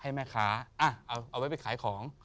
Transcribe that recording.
แม่ค้าเอาไว้ไปขายของ